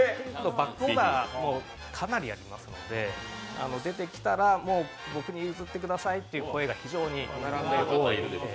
バックオーダーもかなりやってますので出てきたら、僕に譲ってくださいという声が非常に多いですね。